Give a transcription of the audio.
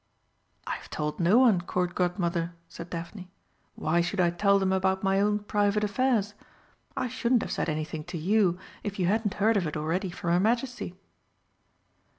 "I have told no one, Court Godmother," said Daphne. "Why should I tell them about my own private affairs? I shouldn't have said anything to you, if you hadn't heard of it already from her Majesty."